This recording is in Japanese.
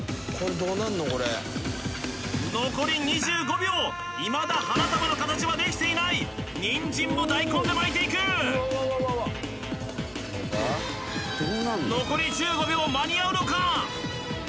残り２５秒いまだ花束の形はできていないにんじんも大根で巻いていく残り１５秒間に合うのか？